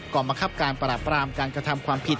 กรรมคับการปราบปรามการกระทำความผิด